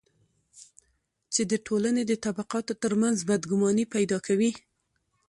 چې د ټولنې د طبقاتو ترمنځ بدګماني پیدا کوي.